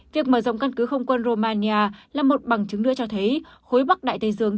việc mở rộng căn cứ không quân romania là một bằng chứng nữa cho thấy khối bắc đại tây dương